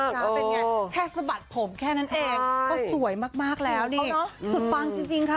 เป็นไงแค่สะบัดผมแค่นั้นเองก็สวยมากแล้วนี่สุดปังจริงค่ะ